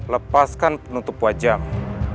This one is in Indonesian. lepaskan penutup wajahmu